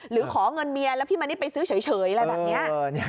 หรือขอเงินเมียแล้วพี่มณิษฐ์ไปซื้อเฉยอะไรแบบนี้